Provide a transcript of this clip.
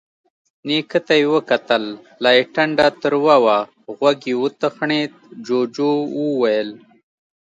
نيکه ته يې وکتل، لا يې ټنډه تروه وه. غوږ يې وتخڼېد، جُوجُو وويل: